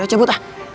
ayo cabut lah